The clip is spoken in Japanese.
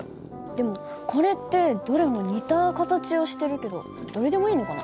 でもこれってどれも似た形をしてるけどどれでもいいのかな？